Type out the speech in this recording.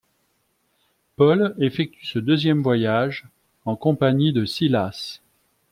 Paul effectue ce deuxième voyage en compagnie de Silas.